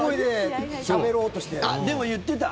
でも言ってた。